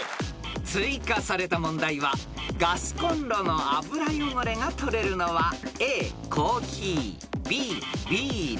［追加された問題はガスコンロの油汚れが取れるのはＡコーヒーＢビール。